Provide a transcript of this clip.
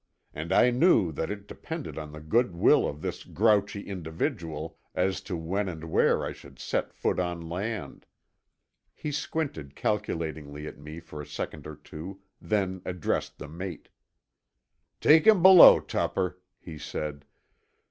And I knew that it depended on the good will of this grouchy individual as to when and where I should set foot on land. He squinted calculatingly at me for a second or two, then addressed the mate. "Take 'im below, Tupper," he said.